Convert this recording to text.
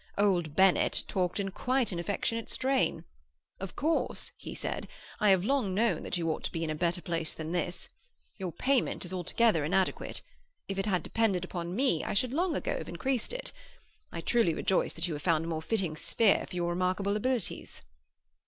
Old Bennet talked in quite an affectionate strain. "Of course," he said, "I have long known that you ought to be in a better place than this; your payment is altogether inadequate; if it had depended upon me, I should long ago have increased it. I truly rejoice that you have found a more fitting sphere for your remarkable abilities."